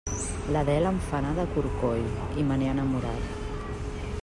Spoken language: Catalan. L'Adela em fa anar de corcoll i me n'he enamorat.